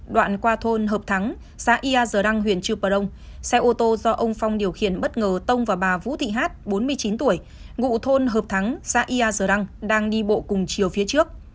đoạn qua thôn hợp thắng xã yà giờ đăng huyện trưu bờ đông xe ô tô do ông phong điều khiển bất ngờ tông và bà vũ thị hát bốn mươi chín tuổi ngụ thôn hợp thắng xã yà giờ đăng đang đi bộ cùng chiều phía trước